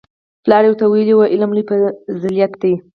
پلار یې ورته ویلي وو علم لوی فضیلت دی